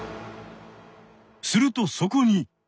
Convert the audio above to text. するとそこに！